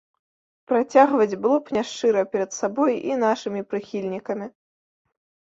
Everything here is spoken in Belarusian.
Працягваць было б няшчыра перад сабой і нашымі прыхільнікамі.